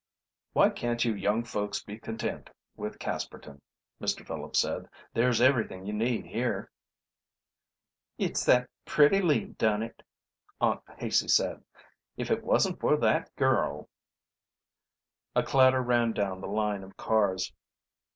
"Why can't you young folks be content with Casperton?" Mr. Phillips said. "There's everything you need here." "It's that Pretty Lee done it," Aunt Haicey said. "If it wasn't for that girl " A clatter ran down the line of cars.